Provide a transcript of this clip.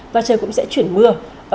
và trời cũng sẽ chuyển mưa